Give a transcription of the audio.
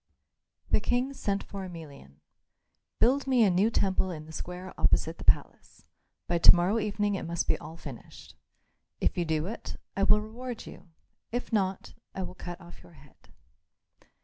The King sent for Emelian. "Build me a new temple in the square opposite the palace; by to morrow evening it must all be finished. If you do it, I will reward you; if not, I will cut off your head."